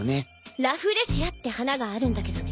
ラフレシアって花があるんだけどね